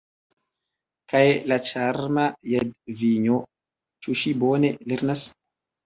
Kaj la ĉarma Jadvinjo, ĉu ŝi bone lernas?